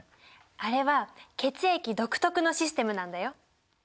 あれは血液独特のシステムなんだよ。